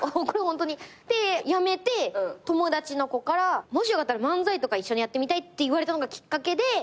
でやめて友達の子から「もしよかったら漫才とか一緒にやってみたい」って言われたのがきっかけで。